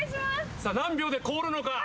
さあ何秒で凍るのか？